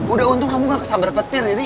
udah untung kamu gak kesambar petir riri